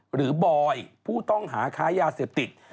บอยผู้ต้องหาค้ายาเสพติด